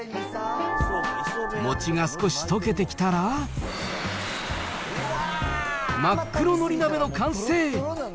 餅が少し溶けてきたら、真っ黒のり鍋の完成。